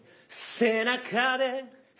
「背中で」